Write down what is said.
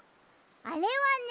あれはね